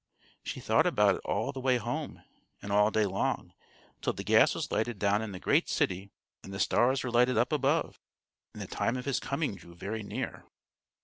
She thought about it all the way home, and all day long, till the gas was lighted down in the great city and the stars were lighted up above, and the time of his coming drew very near.